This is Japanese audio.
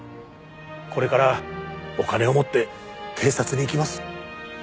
これからお金を持って警察に行きます。